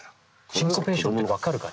シンコペーションって分かるかな。